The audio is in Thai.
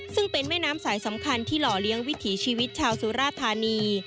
ซึ่งเป็นแม่น้ำสายสำคัญที่หล่อเลี้ยงวิถีชีวิตชาวสุราธานี